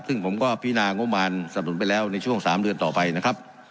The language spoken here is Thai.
ซึ่งผมก็พินางบมารสนับหนุนไปแล้วในช่วง๓เดือนต่อไปนะครับ